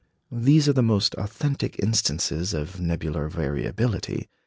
These are the most authentic instances of nebular variability.